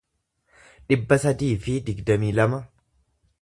dhibba sadii fi digdamii lama